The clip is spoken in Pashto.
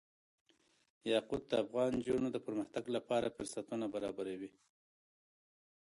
یاقوت د افغان نجونو د پرمختګ لپاره فرصتونه برابروي.